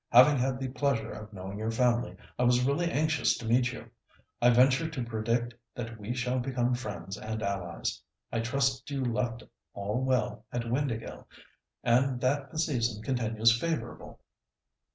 Having had the pleasure of knowing your family, I was really anxious to meet you. I venture to predict that we shall become friends and allies. I trust you left all well at Windāhgil, and that the season continues favourable."